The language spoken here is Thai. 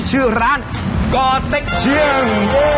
กอเต๊กเชียง